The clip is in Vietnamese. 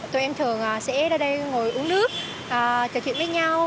tụi em thường sẽ ra đây ngồi uống nước trò chuyện với nhau